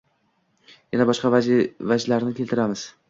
yana boshqa vajlarni keltiramiz.